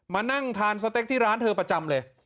มานั่งทานสเต็กที่ร้านเธอประจำเลย